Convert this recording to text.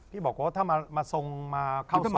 ที่บอกว่าถ้ามาทรงมาเข้าทรง